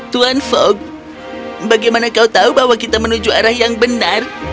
tuhan fogg bagaimana kau tahu bahwa kita menuju ke arah yang benar